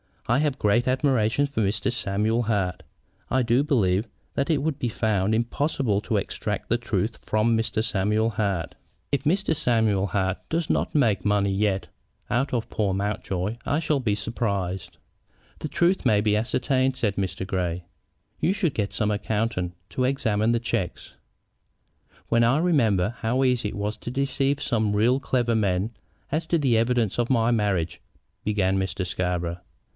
"I have great admiration for Mr. Samuel Hart. I do believe that it would be found impossible to extract the truth from Mr. Samuel Hart. If Mr. Samuel Hart does not make money yet out of poor Mountjoy I shall be surprised." "The truth may be ascertained," said Mr. Grey. "You should get some accountant to examine the checks." "When I remember how easy it was to deceive some really clever men as to the evidence of my marriage " began Mr. Scarborough.